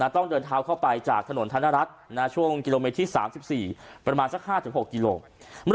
ต้องเดินเท้าเข้าไปจากถนนธนรัฐช่วงกิโลเมตรที่๓๔ประมาณสัก๕๖กิโลกรัม